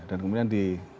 dan kemudian di